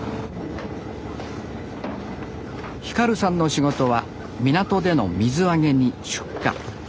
輝さんの仕事は港での水揚げに出荷。